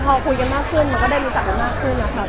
แต่ว่าก็พอคุยกันมากขึ้นมันก็ได้รู้จักกันมากขึ้นนะครับ